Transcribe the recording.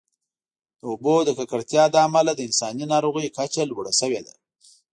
د اوبو د ککړتیا له امله د انساني ناروغیو کچه لوړه شوې ده.